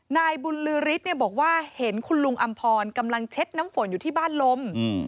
นายบุญลือฤทธิ์เนี่ยบอกว่าเห็นคุณลุงอำพรกำลังเช็ดน้ำฝนอยู่ที่บ้านลม